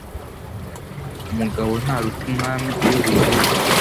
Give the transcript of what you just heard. Umugabo ntaruta Umwami uyoboye igihugu